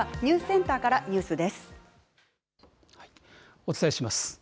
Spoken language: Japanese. お伝えします。